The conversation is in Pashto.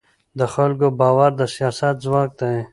د خلکو باور د سیاست ځواک دی